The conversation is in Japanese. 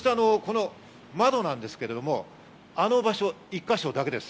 窓なんですけど、あの場所１か所だけです。